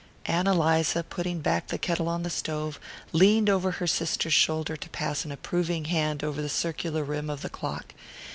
Ann Eliza, putting back the kettle on the stove, leaned over her sister's shoulder to pass an approving hand over the circular rim of the clock.